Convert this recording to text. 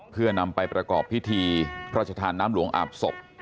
เพื่อนำไปประกอบพิธีพระชธานน้ำหลวงอาบศพ